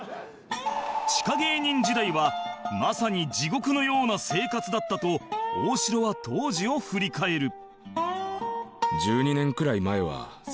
地下芸人時代はまさに地獄のような生活だったと大城は当時を振り返る